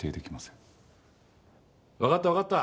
わかったわかった。